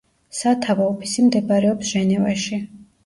სათავო ოფისი მდებარეობს ჟენევაში.